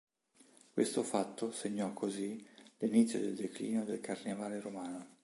Questo fatto segnò così l'inizio del declino del Carnevale romano.